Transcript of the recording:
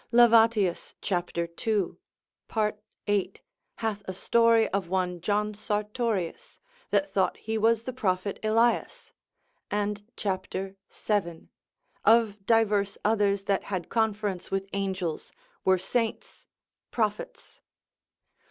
Lavat. de spect. c. 2. part. 8. hath a story of one John Sartorious, that thought he was the prophet Elias, and cap. 7. of diverse others that had conference with angels, were saints, prophets.